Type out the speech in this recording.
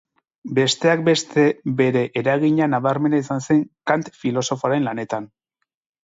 Besteak beste, bere eragina nabarmena izan zen Kant filosofoaren lanetan.